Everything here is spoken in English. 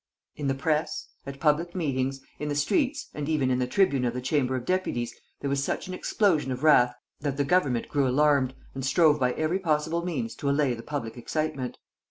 In the press, at public meetings, in the streets and even in the tribune of the Chamber of Deputies there was such an explosion of wrath that the government grew alarmed and strove by every possible means to allay the public excitement.